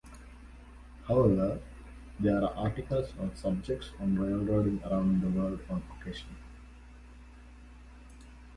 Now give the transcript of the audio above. However, there are articles on subjects on railroading around the world on occasion.